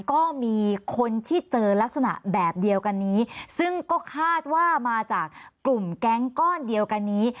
ก็มีคนที่เจอลักษณะแบบเดียวกันนี้ซึ่งก็คาดว่ามาจากกลุ่มแก๊งก้อนเดียวกันนี้